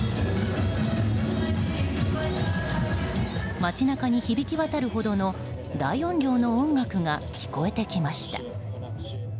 街中に響き渡るほどの大音量の音楽が聞こえてきました。